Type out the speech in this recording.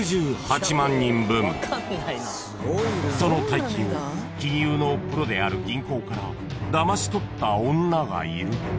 ［その大金を金融のプロである銀行からだまし取った女がいる］